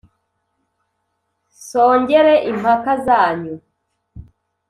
nsongere impaka zanyu